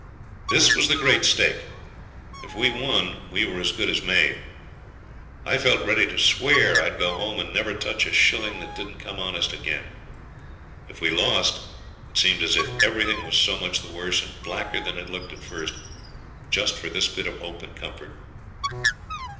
This was the great stake. If we won we were as good as made. I felt ready to swear I'd go home and never touch a shilling that didn't come honest again. If we lost it seemed as if everything was so much the worse, and blacker than it looked at first, just for this bit of hope and comfort.